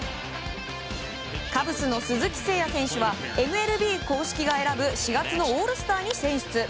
カブスの鈴木誠也選手はＭＬＢ公式が選ぶ４月のオールスターに選出。